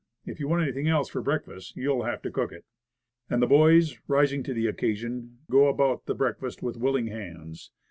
If you want anything else for breakfast, you'll have to cook it." And the boys, rising to the occasion, go about the breakfast with willing hands.